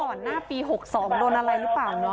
ว่าก่อนหน้าปี๖๒โดนอะไรหรือเปล่าเนอะ